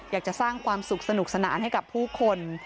อยากจะสร้างความสุขสนุกสนานให้กับผู้คน